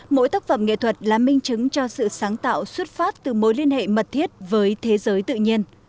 mỗi tác phẩm nghệ thuật là minh chứng cho sự sáng tạo xuất phát từ mối liên hệ mật thiết với thế giới tự nhiên